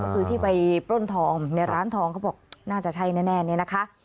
ก็คือที่ไปปล้นทองในร้านทองเขาบอกน่าจะใช่แน่เนี่ยนะคะ